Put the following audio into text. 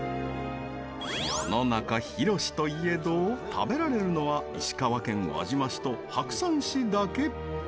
世の中広しと言えど食べられるのは石川県輪島市と白山市だけ！